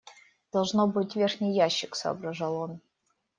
Должно быть, верхний ящик, — соображал он.